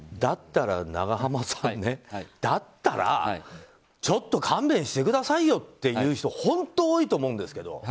永濱さんだったら、ちょっと勘弁してくださいよっていう人本当多いと思うんですけど。